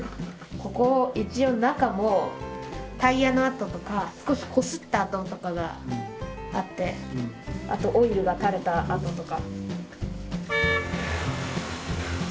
ここ一応中もタイヤの跡とか少しこすった跡とかがあってあとオイルが垂れた跡とか。